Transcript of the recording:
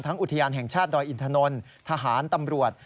อุทยานแห่งชาติดอยอินทนนทหารตำรวจ